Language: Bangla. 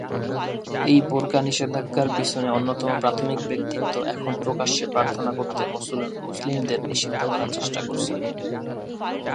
এই বোরকা নিষেধাজ্ঞার পিছনে অন্যতম প্রাথমিক ব্যক্তিত্ব এখন প্রকাশ্যে প্রার্থনা করতে মুসলিমদের নিষিদ্ধ করার চেষ্টা করছে।